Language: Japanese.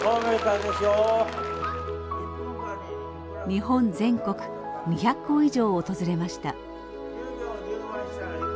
日本全国２００校以上を訪れました。